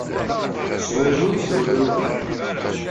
Shurun, srebruben.